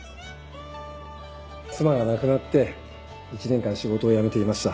妻が亡くなって１年間仕事を辞めていました。